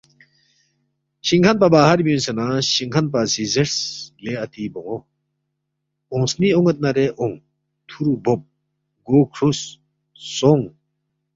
شِنگ کھن پا باہر بیُونگسےنہ شِنگ کھن پا سی زیرس، لے اَتی بون٘و، اونگ سنی اون٘ید نارے اونگ، تھُورو بوب، گو کھرُوس، سونگ